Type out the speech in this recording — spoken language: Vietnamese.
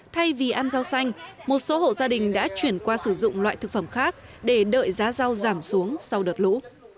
thay vì ăn rau xanh một số hộ gia đình đã chuyển qua sử dụng loại thực phẩm khác để đợi giá rau giảm xuống sau đợt lũ